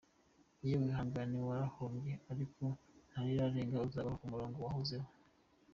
Yewe Ihangane warahombye ariko ntarirarenga uzagaruka mumurongo wahozeho.